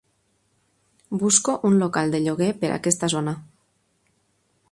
Busco un local de lloguer per aquesta zona.